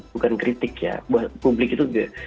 bukan kritik publik itu